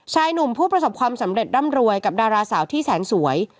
ชายหนุ่มผู้ประสบความสำเร็จร่ำรวยกับดาราสาวที่แสนสวย